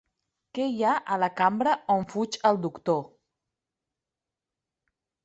Què hi ha a la cambra on fuig el Doctor?